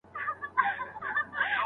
د څېړني پایلي نه تحریفول کېږي.